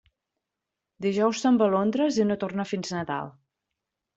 Dijous se'n va a Londres i no torna fins Nadal.